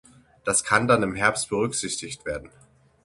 Das kann dann im Herbst berücksichtigt werden.